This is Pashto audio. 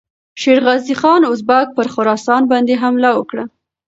شېرغازي خان اوزبک پر خراسان باندې حمله وکړه.